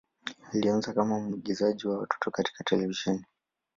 Alianza kama mwigizaji wa watoto katika televisheni.